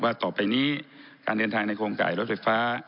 ต่อไปนี้การเดินทางในโครงการรถไฟฟ้า